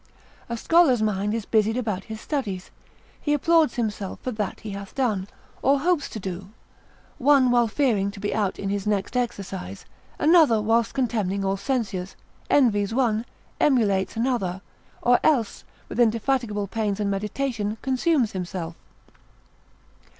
A scholar's mind is busied about his studies, he applauds himself for that he hath done, or hopes to do, one while fearing to be out in his next exercise, another while contemning all censures; envies one, emulates another; or else with indefatigable pains and meditation, consumes himself.